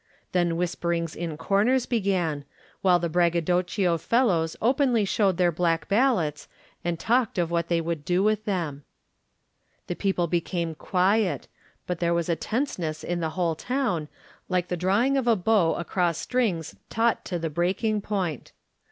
Then whisperings in comers began, while the braggadocio fellows openly showed their black ballots and talked of what they would do with them. The people became quiet, but there was a tenseness to the whole town, like the draw ing of a bow across strings taut to the break ing point.